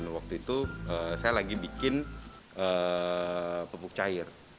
waktu itu saya lagi bikin pupuk cair